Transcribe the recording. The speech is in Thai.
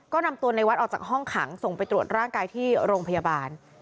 ก็นำตัวในวัดออกจากห้องขังส่งไปตรวจร่างกายที่โรงพยาบาล